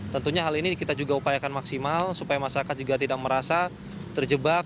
tentunya hal ini kita juga upayakan maksimal supaya masyarakat juga tidak merasa terjebak